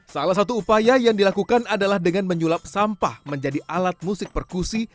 salah satu upaya yang dilakukan adalah dengan menyulap sampah menjadi alat musik perkusi